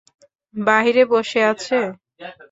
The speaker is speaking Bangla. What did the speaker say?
বাহিরে বসে আছে?